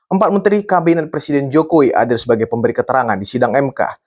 empat menteri kabinet presiden jokowi hadir sebagai pemberi keterangan di sidang mk